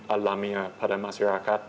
alamiah pada masyarakat